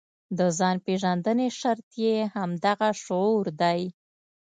د ځان پېژندنې شرط یې همدغه شعور دی.